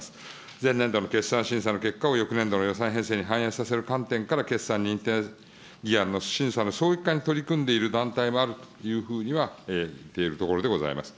前年度の決算審査の結果を翌年度の予算編成に反映させる観点から、決算認定議案のの早期化に取り組んでいる団体もあると見ているところでございます。